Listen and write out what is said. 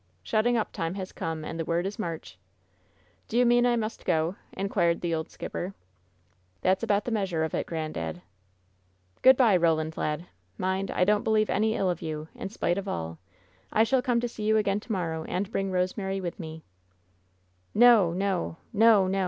Shutting up time has come, and the word is march!" "Do you mean I must go ?" inquired the old skipper. "That's about the measure of it, granddad." "Good by, Roland, lad! Mind, I don't believe any ill 98 WHEN SHADOWS DIE of you, in spite of all. I shall come to see you again to morrow, and bring Rosemary with me.^^ "No! nol no! no!